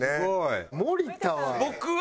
森田は？